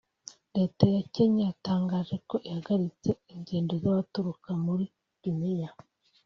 Leta ya Kenya yatangaje ko ihagaritse ingendo z’abaturuka muri Guinea